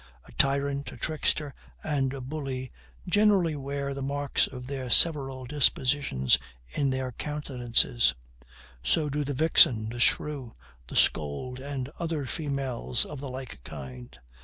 A tyrant, a trickster, and a bully, generally wear the marks of their several dispositions in their countenances; so do the vixen, the shrew, the scold, and all other females of the like kind.